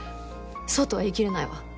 そうとは言いきれないわ。